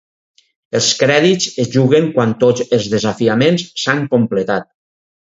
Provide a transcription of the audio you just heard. Els crèdits es juguen quan tots els desafiaments s'han completat.